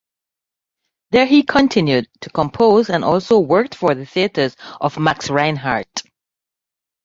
There he continued to compose and also worked for the theatres of Max Reinhardt.